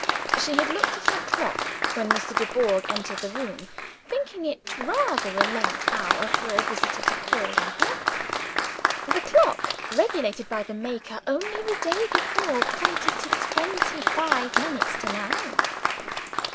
She had looked at her clock, when Mr. Dubourg entered the room; thinking it rather a late hour for a visitor to call on her. The clock (regulated by the maker, only the day before) pointed to twenty five minutes to nine.